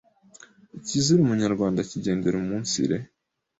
Ikizira Umunyarwanda akigendera umunsire